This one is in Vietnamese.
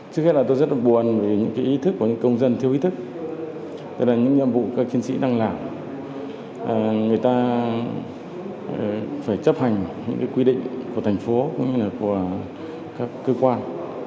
trước hết là tôi rất là buồn vì những ý thức của những công dân thiếu ý thức tức là những nhiệm vụ các chiến sĩ đang làm người ta phải chấp hành những quy định của thành phố cũng như là của các cơ quan